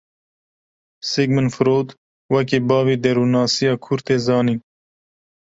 Sigmund Freud wekî bavê derûnnasiya kûr tê zanîn.